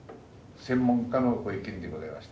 専門家のご意見でございました。